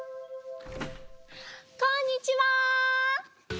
こんにちは！